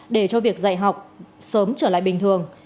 để cho việc dạy học sớm trở lại bình thường